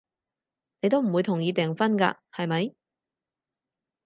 你都唔會同意訂婚㗎，係咪？